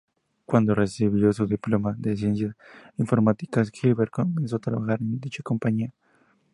Cuando recibió su diploma de ciencias informáticas, Gilbert comenzó a trabajar en dicha compañía.